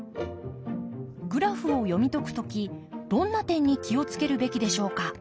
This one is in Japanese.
グラフを読み解く時どんな点に気を付けるべきでしょうか？